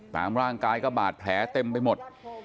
ตามร่างกายก็บาดแผลเต็มไปหมด